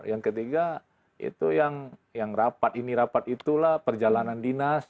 yang ketiga itu yang rapat ini rapat itulah perjalanan dinas